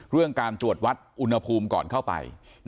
เรื่องการตรวจวัดอุณหภูมิก่อนเข้าไป